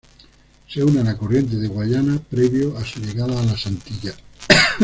Se une a la corriente de Guayana previo a su llegada a las Antillas.